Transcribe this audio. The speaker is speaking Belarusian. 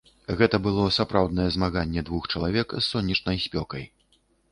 Гэта было сапраўднае змаганне двух чалавек з сонечнай спёкай.